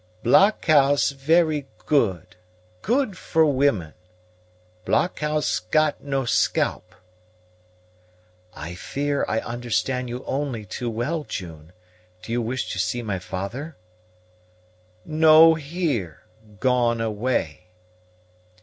"Blockhouse very good; good for women. Blockhouse got no scalp." "I fear I understand you only too well, June. Do you wish to see my father?" "No here; gone away."